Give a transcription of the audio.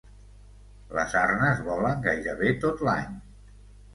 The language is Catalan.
Les arnes volen gairebé tot l'any.